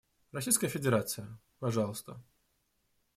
Российская Федерация, пожалуйста.